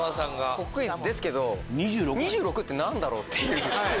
得意ですけど２６って何だろう？っていう。